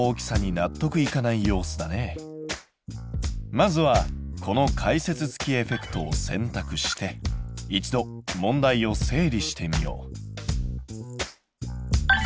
まずはこの解説付きエフェクトを選択して一度問題を整理してみよう。